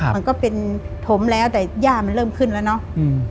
มันก็เป็นถมแล้วแต่ย่ามันเริ่มขึ้นแล้วเนาะ